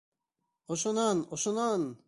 Ошонан, ошонан!